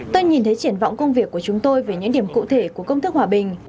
tôi nhìn thấy triển vọng công việc của chúng tôi về những điểm cụ thể của công thức hòa bình